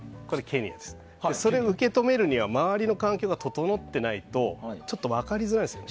それを受け止めるには周りの環境が整ってないとちょっと分かりづらいです。